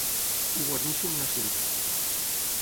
Ho guarneixo amb una cinta.